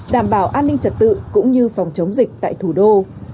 đảm bảo an ninh trật tự cũng như phòng chống dịch tại thủ đô